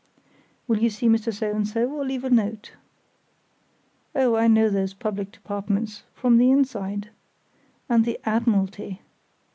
Will you see Mr So and so, or leave a note? Oh! I know those public departments—from the inside! And the Admiralty!...